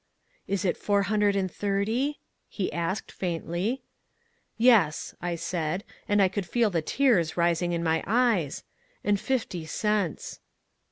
"'Is it four hundred and thirty?' he asked faintly. "'Yes,' I said, and I could feel the tears rising in my eyes, 'and fifty cents.'